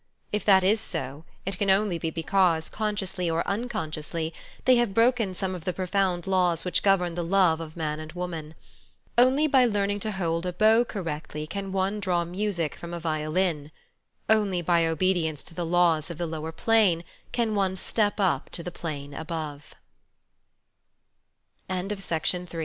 If that is so, it can only be because, con sciously or unconsciously, they have broken some of the profound laws which govern the love of man and woman. Only by learning to hold a bow correctly can one draw music from a violin : only by obedience to the laws of the lower plane can